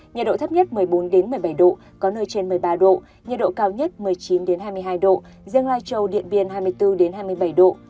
nhiệt độ thấp nhất một mươi bốn một mươi bảy độ có nơi trên một mươi ba độ nhiệt độ cao nhất một mươi chín hai mươi hai độ riêng lai châu điện biên hai mươi bốn hai mươi bảy độ